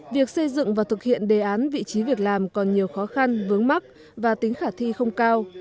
việc xây dựng và thực hiện đề án vị trí việc làm còn nhiều khó khăn vướng mắt và tính khả thi không cao